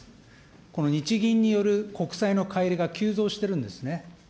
この日銀による国債の介入が急増してるんですね。